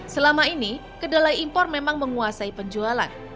selama ini kedelai impor memang menguasai penjualan